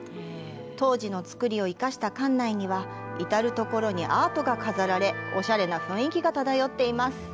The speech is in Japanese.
当時の造りを生かした館内には至るところにアートが飾られ、オシャレな雰囲気が漂っています。